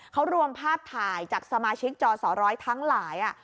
เขารวมภาพถ่ายจากสมาชิกจอสอร้อยทั้งหลาย